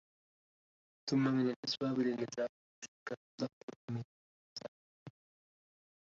ثم من الأسباب للنجاح هجرك للضحك وللمزاح